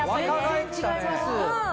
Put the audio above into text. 全然違います。